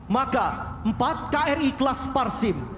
maka empat kri kelas parsim